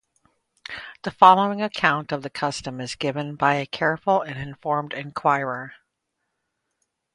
The following account of the custom is given by a careful and informed inquirer.